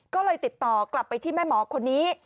ก็เลยติดต่อกลับไปที่แม่หมอคนนี้